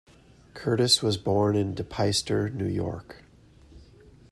Curtis was born in De Peyster, New York.